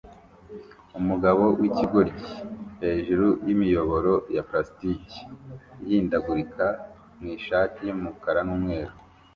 Umugabo wikigoryi hejuru yimiyoboro ya plastike ihindagurika mwishati yumukara numweru